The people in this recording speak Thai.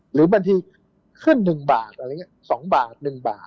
หรือบางทีขึ้น๑บาท๒บาท๑บาท